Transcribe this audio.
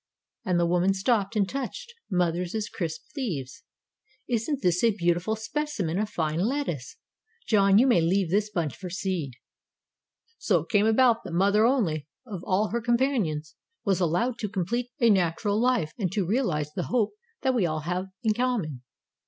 and the woman stooped and touched mother's crisp leaves. 'Isn't this a beautiful specimen of fine lettuce? John, you may leave this bunch for seed.' "So it came about that mother only, of all her companions, was allowed to complete a natural life and to realize the hope that we all have in common."